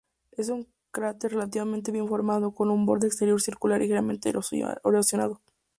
Es un cráter relativamente bien formado, con un borde exterior circular ligeramente erosionado.